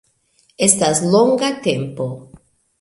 Estas longa tempo